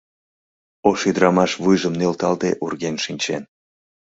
Ош ӱдырамаш вуйжым нӧлталде урген шинчен.